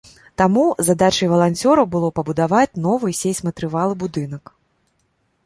Таму задачай валанцёраў было пабудаваць новы сейсматрывалы будынак.